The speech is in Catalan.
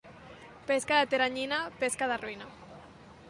Pesca de teranyina, pesca de ruïna.